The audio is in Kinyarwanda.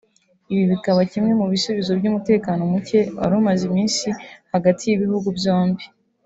Ibi bikaba kimwe mu bisubizo by’umutekano muke wari umaze iminsi hagati y’ibihugu byombi